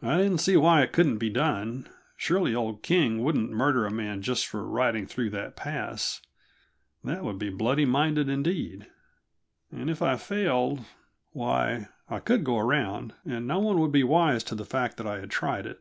I didn't see why it couldn't be done; surely old King wouldn't murder a man just for riding through that pass that would be bloody minded indeed! And if I failed why, I could go around, and no one would be wise to the fact that I had tried it.